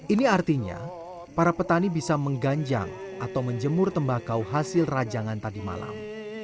ini artinya para petani bisa mengganjang atau menjemur tembakau hasil rajangan tadi malam